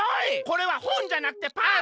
これはほんじゃなくてパン！